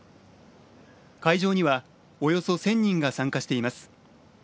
会場にはおよそ１０００人が参加しています。